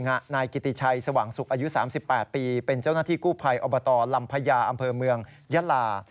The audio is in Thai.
นายกิติชัยสว่างศุกร์อายุ๓๘ปีเป็นเจ้าหน้าที่กู้ภัยอบตลำพญาอำเภอเมืองยะลา